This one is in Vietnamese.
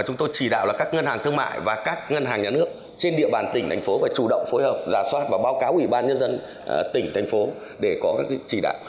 chúng tôi chỉ đạo là các ngân hàng thương mại và các ngân hàng nhà nước trên địa bàn tỉnh thành phố phải chủ động phối hợp giả soát và báo cáo ủy ban nhân dân tỉnh thành phố để có các chỉ đạo